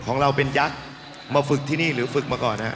ของเราเป็นยักษ์มาฝึกที่นี่หรือฝึกมาก่อนนะครับ